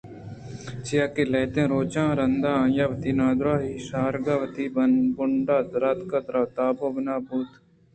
چیاکہ لہتیں روچان ءُ رند آئیءَ وتی نادرٛاہی شارات ءُ وتی بُونڈاں دراتک ءُ ترّ ءُ تاب ءَ بِنا بُوت